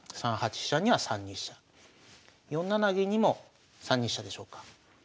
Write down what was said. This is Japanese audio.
飛車には３二飛車４七銀にも３二飛車でしょうか。